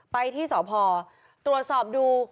ไปที่สพตรวจสอบดู